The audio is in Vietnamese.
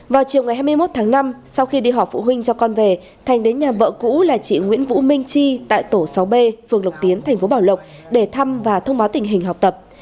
vào chiều ngày hai mươi một tháng năm sau khi đi học phụ huynh cho con về thành đến nhà vợ cũ là chị nguyễn vũ minh chi tại tổ sáu b phường lộc tiến thành phố bảo lộc để thăm và thông báo tình hình học tập